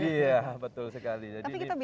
iya betul sekali jadi